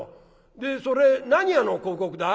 でそれ何屋の広告だ？」。